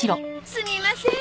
すみません。